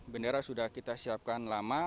bendera sudah kita siapkan lama